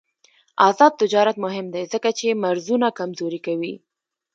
آزاد تجارت مهم دی ځکه چې مرزونه کمزوري کوي.